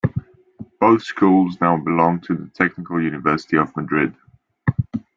Both schools now belong to the Technical University of Madrid.